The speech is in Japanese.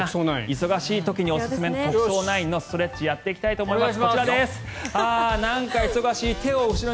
忙しい時におすすめの「特捜９」のストレッチやっていきたいと思います。